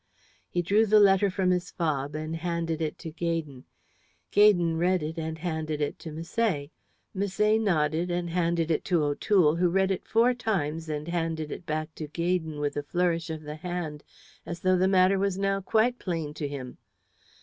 He drew the letter from his fob and handed it to Gaydon. Gaydon read it and handed it to Misset. Misset nodded and handed it to O'Toole, who read it four times and handed it back to Gaydon with a flourish of the hand as though the matter was now quite plain to him.